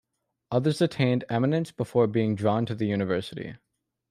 Others attained eminence before being drawn to the university.